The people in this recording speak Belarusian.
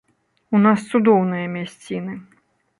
У нас цудоўныя мясціны.